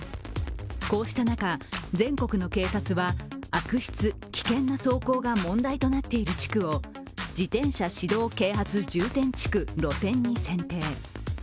こうした中、全国の警察は悪質・危険な走行が問題となっている地区を自転車指導啓発重点地区・路線に選定。